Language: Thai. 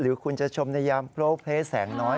หรือคุณจะชมในยามโพลเพลแสงน้อย